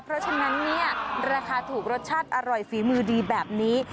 เพราะฉะนั้นเนี่ยราคาถูกรสชาติอร่อยฝีมือดีแบบนี้